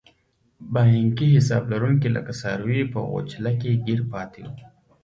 بانکي حساب لرونکي لکه څاروي په غوچله کې ګیر پاتې وو.